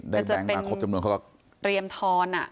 ได้แบงค์มาครบจำนวนเขาก็เตรียมทอนน่ะ